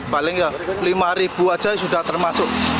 paling ya lima ribu aja sudah termasuk